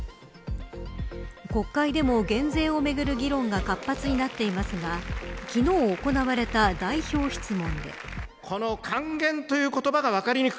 国会でも減税をめぐる議論が活発になっていますが昨日行われた参議院本会議の代表質問。